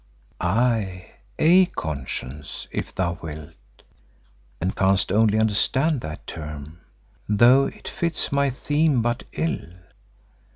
"Aye, a conscience, if thou wilt, and canst only understand that term, though it fits my theme but ill.